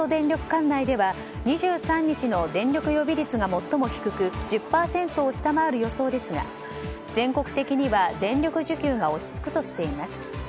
管内では２３日の電力予備率が最も低く１０％を下回る予想ですが全国的には電力需給が落ち着くとしています。